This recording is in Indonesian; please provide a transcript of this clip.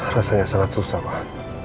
rasanya sangat susah pak